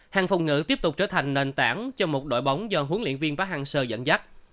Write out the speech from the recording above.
hàng phòng nữ tiếp tục trở thành nền tảng cho một đội bóng do huấn luyện viên park hang seo dẫn dắt